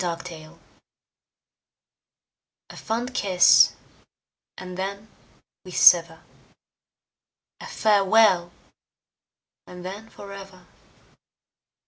5 Autoplay A fond kiss, and then we sever; A farewell, and then forever!